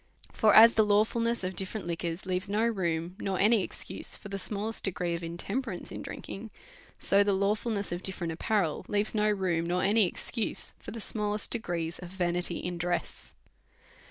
For as the lawfulness of different liquors leaves no room, nor any excuse, for the smallest degree of in temperance in drinking; so the lawfulness of different apparel leaves no room, nor any excuse, for the small est degrees of vanity in dress.